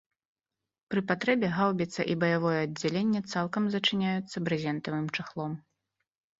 Пры патрэбе гаўбіца і баявое аддзяленне цалкам зачыняюцца брызентавым чахлом.